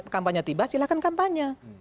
kampanye tiba silahkan kampanye